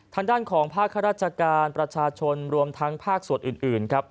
ทางด้านของภาคราชการประชาชนรวมทั้งภาคสวทธิ์อื่น